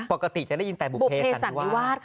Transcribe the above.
ปกติจะได้ยินแต่บุเภสันวาส